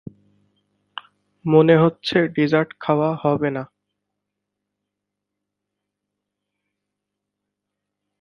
মনে হচ্ছে ডেজার্ট খাওয়া হবে না।